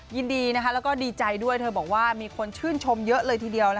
ยินดีแล้วก็ดีใจด้วยเธอบอกว่ามีคนชื่นชมเยอะเลยทีเดียว